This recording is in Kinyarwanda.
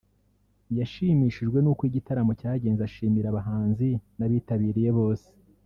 yashimishijwe n’uko igitaramo cyagenze ashimira abahanzi n’abitabiriye bose